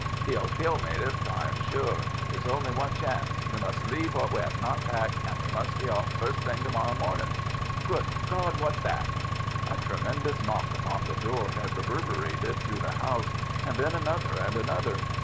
'e'll kill me this time, sure. There's only one chance. We must leave what we 'ave not packed, and we must be off first thing to morrow mornin'. Great God, what's that!" A tremendous knock upon the door had reverberated through the house and then another and another.